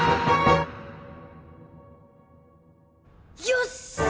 よし！